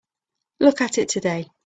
Look at it today.